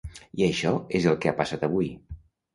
I això és el que ha passat avui.